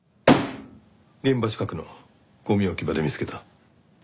現場近くのゴミ置き場で見つけた。